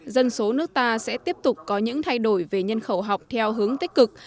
dân số nước ta sẽ tiếp tục có những thay đổi về nhân khẩu học theo hướng tích cực